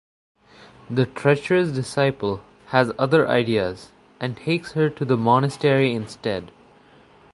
The treacherous disciple has other ideas, and takes her to the monastery instead.